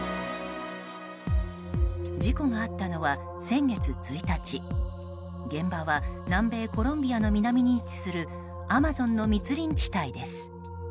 事故があったのは先月１日現場は南米コロンビアの南に位置するアマゾンの密林地帯です。